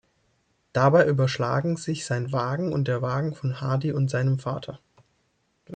Dabei überschlagen sich sein Wagen und der Wagen von Hardy und seinem Vater.